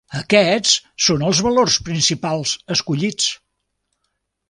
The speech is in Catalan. Aquests són els valors principals escollits.